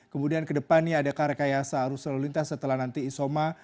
kemudian ke depannya adakah rekayasa arus lalu lintas setelah nanti isoma